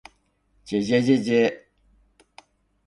ｗ じぇじぇじぇじぇ ｗ